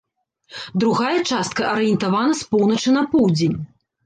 Другая частка арыентавана з поўначы на поўдзень.